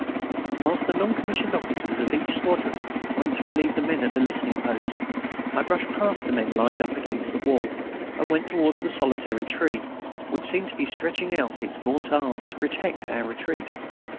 Whilst the non commissioned officers of each squadron went to relieve the men at the listening posts, I brushed past the men lined up against the wall, and went towards the "solitary tree," which seemed to be stretching out its gaunt arms to protect our retreat.